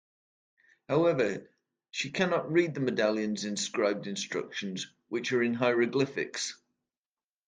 However, she cannot read the medallion's inscribed instructions, which are in hieroglyphics.